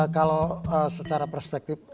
kalau secara perspektif